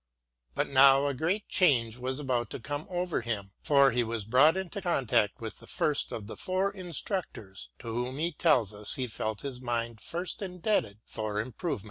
But now a great change was about to come over him, for he was brought into contact with the first of the four instructors to whom he teUs us he felt his mind first indebted for improvem.